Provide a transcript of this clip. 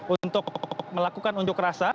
untuk melakukan unjuk rasa